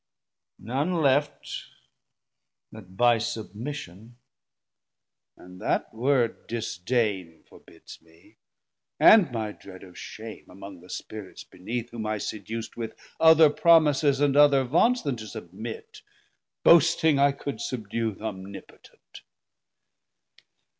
80 None left but by submission; and that word Disdain forbids me, and my dread of shame Among the spirits beneath, whom I seduc'd With other promises and other vaunts Then to submit, boasting I could subdue Th' Omnipotent.